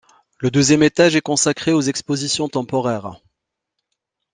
Le deuxième étage est consacré aux expositions temporaires.